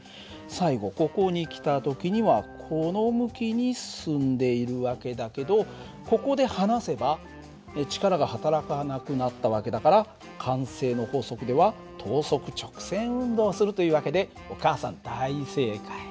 最後ここに来た時にはこの向きに進んでいる訳だけどここで放せば力がはたらかなくなった訳だから慣性の法則では等速直線運動をするという訳でお母さん大正解。